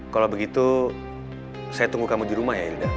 kalau begitu saya tunggu kamu di rumah ya ilda